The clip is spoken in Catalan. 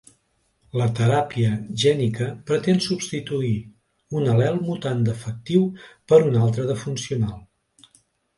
La teràpia gènica pretén substituir un al·lel mutant defectiu per un altre de funcional.